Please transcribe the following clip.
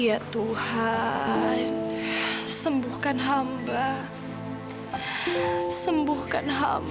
ot bc kawan gua